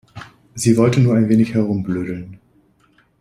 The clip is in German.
Sie wollte nur ein wenig herumblödeln.